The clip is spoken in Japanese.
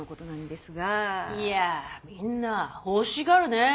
いやみんな欲しがるね。